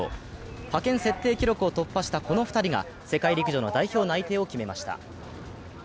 派遣設定記録を突破したこの２人が世界陸上の代表内定を決めました。